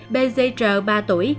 b z tr ba tuổi